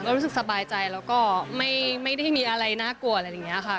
รู้สึกสบายใจแล้วก็ไม่ได้มีอะไรน่ากลัวอะไรอย่างนี้ค่ะ